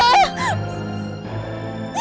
apa yang terjadi